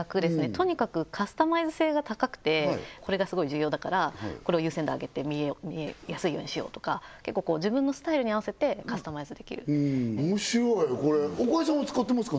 とにかくカスタマイズ性が高くてこれがスゴい重要だからこれを優先度上げて見えやすいようにしようとか結構自分のスタイルに合わせてカスタマイズできる面白いこれ岡井さんは使ってますか？